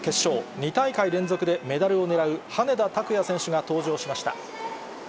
２大会連続でメダルをねらう羽根田卓也選手が登場しました。